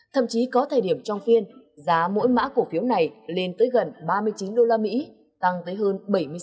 thậm chí có thời điểm trong phiên giá mỗi mã cổ phiếu này lên tới gần ba mươi chín usd tăng tới hơn bảy mươi sáu